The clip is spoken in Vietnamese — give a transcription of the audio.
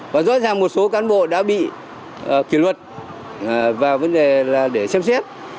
và rõ ràng một số cán bộ đã bị kỷ luật vào vấn đề là để xem xét